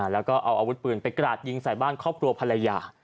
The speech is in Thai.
แล้วก็เอาอาวุธปืนไปกราดยิงใส่บ้านครอบครัวภรรยา